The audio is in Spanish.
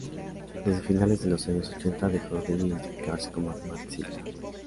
Desde finales de los años ochenta dejó de identificarse como marxista.